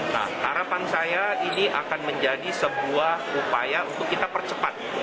nah harapan saya ini akan menjadi sebuah upaya untuk kita percepat